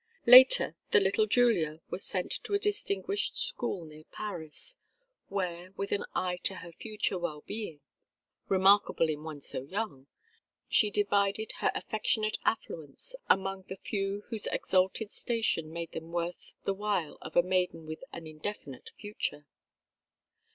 Later, the little Julia was sent to a distinguished school near Paris, where, with an eye to her future well being, remarkable in one so young, she divided her affectionate affluence among the few whose exalted station made them worth the while of a maiden with an indefinite future.